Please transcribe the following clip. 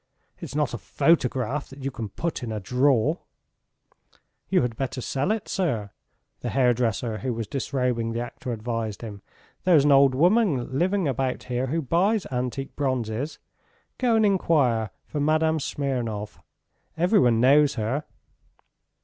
It's not a photograph that you can put in a drawer!" "You had better sell it, sir," the hairdresser who was disrobing the actor advised him. "There's an old woman living about here who buys antique bronzes. Go and enquire for Madame Smirnov ... everyone knows her."